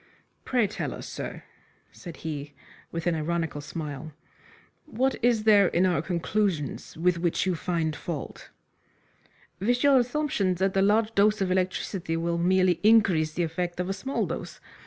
"Pray tell us, sir," said he, with an ironical smile, "what is there in our conclusions with which you find fault?" "With your assumption that a large dose of electricity will merely increase the effect of a small dose.